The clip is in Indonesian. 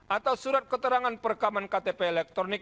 atau surat keterangan perekaman ktp elektronik